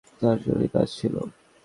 একটা জরুরী কাজ ছিল।